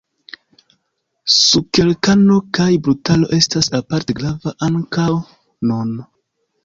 Sukerkano kaj brutaro estas aparte grava ankaŭ nun.